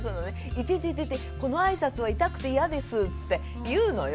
「イテテテテこのあいさつは痛くて嫌です」って言うのよ。